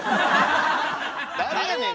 誰やねん！